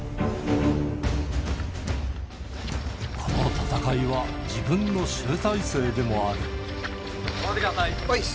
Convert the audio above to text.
この戦いは自分の集大成でも頑張ってください。